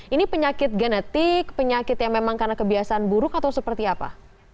ini penyakit genetik penyakit yang memang karena kebiasaan buruk atau seperti apa